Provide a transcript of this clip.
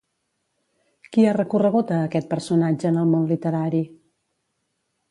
Qui ha recorregut a aquest personatge en el món literari?